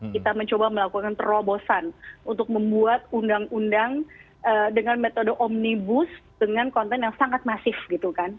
kita mencoba melakukan terobosan untuk membuat undang undang dengan metode omnibus dengan konten yang sangat masif gitu kan